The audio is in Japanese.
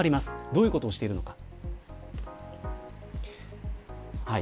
どういうことをしているのか。